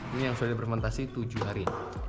ini yang sudah di fermentasi tujuh hari